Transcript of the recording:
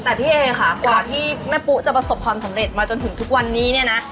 แต่พี่เอค่ะกว่าที่แม่ปุ๊จะประสบความสำเร็จมาจนถึงทุกวันนี้เนี่ยนะ